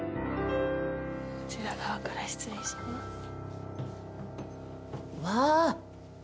こちら側から失礼します。わ。